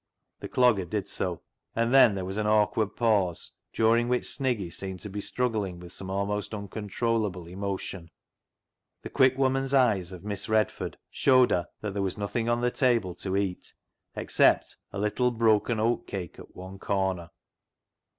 " The Clogger did so, and then there was an awkward pause, during which Sniggy seemed to be struggling with some almost uncon trollable emotion. The quick woman's eyes of Miss Redford showed her that there was nothing on the table to eat except a little broken oat cake at one corner.